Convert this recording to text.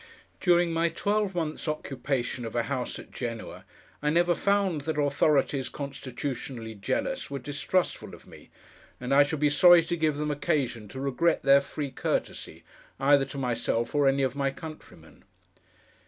During my twelve months' occupation of a house at Genoa, I never found that authorities constitutionally jealous were distrustful of me; and I should be sorry to give them occasion to regret their free courtesy, either to myself or any of my countrymen.